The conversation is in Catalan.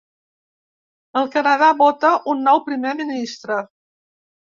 El Canadà vota un nou primer ministre.